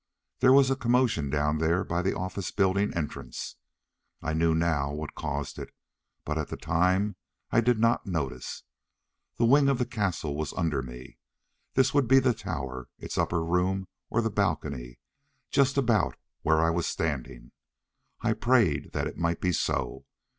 There was a commotion down there by the office building entrance. I know now what caused it, but at the time I did not notice. The wing of the castle was under me. This would be the tower. Its upper room, or the balcony, just about where I was standing. I prayed that it might be so.